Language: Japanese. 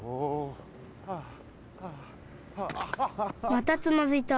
またつまずいた。